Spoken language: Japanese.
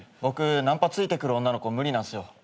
僕ナンパついてくる女の子無理なんすよ。